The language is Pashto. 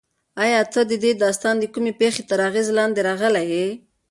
ایا ته د دې داستان د کومې پېښې تر اغېز لاندې راغلی یې؟